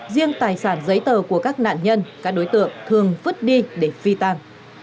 riêng tài sản giấy tờ của các nạn nhân các đối tượng thường vứt đi để phi tang